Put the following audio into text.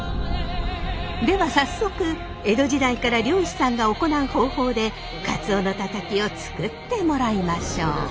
では早速江戸時代から漁師さんが行う方法でカツオのタタキを作ってもらいましょう！